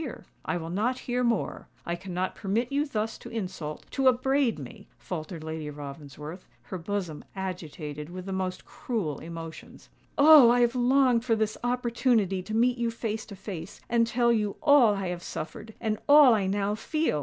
"I will not hear more;—I cannot permit you thus to insult—to upbraid me," faltered Lady Ravensworth, her bosom agitated with the most cruel emotions. "Oh! I have longed for this opportunity to meet you face to face, and tell you all I have suffered, and all I now feel!"